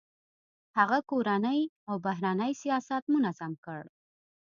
هغه کورنی او بهرنی سیاست منظم کړ.